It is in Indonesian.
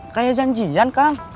kayak janjian kang